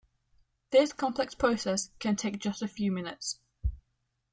This complex process can take just a few minutes.